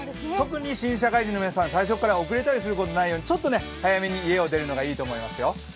特に新社会人の皆さん、最初から遅れたりすることのないようにちょっと早めに家を出るのがいいと思いますよ。